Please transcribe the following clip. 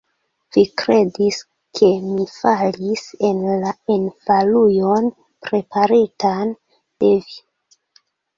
Vi kredis, ke mi falis en la enfalujon preparitan de vi.